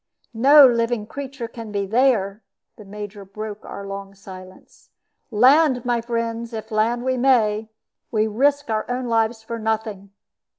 "No living creature can be there," the Major broke our long silence. "Land, my friends, if land we may. We risk our own lives for nothing."